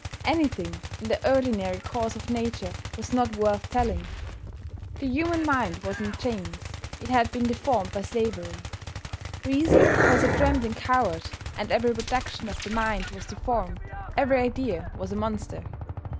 Anything in the ordinary course of nature was not worth telling. The human mind was in chains; it had been deformed by slavery. Reason was a trembling coward, and every production of the mind was deformed, every idea was a monster.